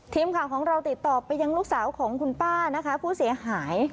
ทีมข่าวของเราติดต่อไปยังลูกสาวของคุณป้านะคะผู้เสียหาย